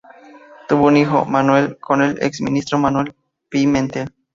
Tuvo un hijo, Manuel, con el exministro Manuel Pimentel.